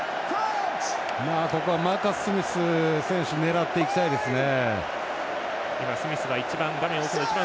ここマーカス・スミス選手狙っていきたいですね。